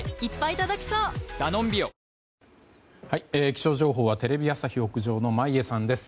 気象情報はテレビ朝日屋上の眞家さんです。